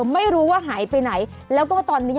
ไม่ไปเร็วบี